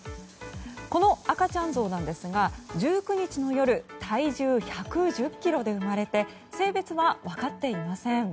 この赤ちゃんゾウなんですが１９日の夜体重１１０ｋｇで生まれて性別は分かっていません。